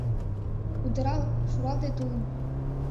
Удырал, шуралте тулым!